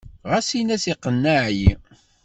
Ɣas in-as iqenneɛ-iyi.